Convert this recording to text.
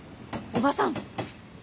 おばさん？